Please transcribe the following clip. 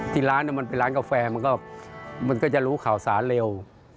ที่ร้านมันเป็นร้านกาแฟมันก็จะรู้ข่าวสารเร็ว